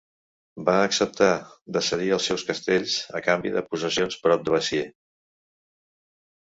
Va acceptar de cedir els seus castells a canvi de possessions prop de Besiers.